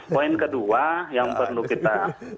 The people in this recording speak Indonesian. poin kedua yang perlu kita